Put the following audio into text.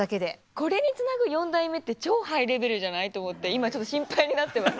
「これにつなぐ四大目って超ハイレベルじゃない？」と思って今ちょっと心配になってます。